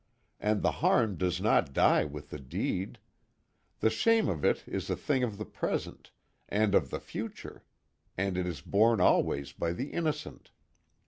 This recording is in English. And the harm does not die with the deed. The shame of it is a thing of the present, and of the future, and it is borne always by the innocent.